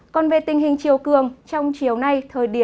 còn về tình hình chiều cường trong chiều nay